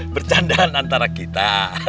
bercandaan antara kita